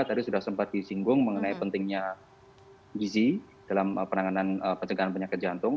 tadi sudah sempat disinggung mengenai pentingnya gizi dalam penanganan pencegahan penyakit jantung